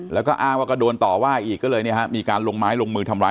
แล้วก็อ้าว่าก็โดนต่อว่าอีกก็เลยเนี่ยฮะ